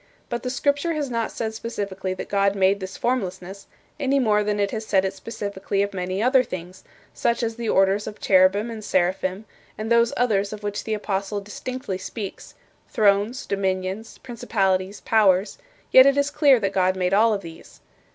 But the Scripture has not said specifically that God made this formlessness any more than it has said it specifically of many other things, such as the orders of 'cherubim' and 'seraphim' and those others of which the apostle distinctly speaks: 'thrones,' 'dominions,' 'principalities,' 'powers' yet it is clear that God made all of these.